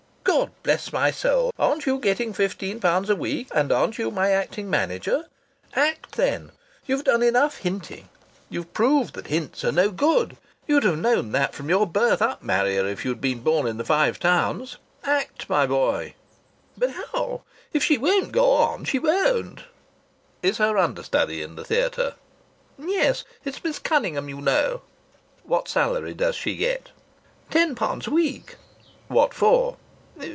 God bless my soul, aren't you getting fifteen pounds a week, and aren't you my acting manager? Act, then! You've done enough hinting. You've proved that hints are no good. You'd have known that from your birth up, Marrier, if you'd been born in the Five Towns. Act, my boy." "But haow? If she won't go on, she won't." "Is her understudy in the theatre?" "Yes. It's Miss Cunningham, you know." "What salary does she get?" "Ten pounds a week." "What for?"